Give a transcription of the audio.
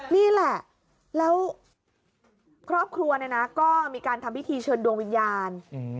นี่แหละแล้วครอบครัวเนี่ยนะก็มีการทำพิธีเชิญดวงวิญญาณ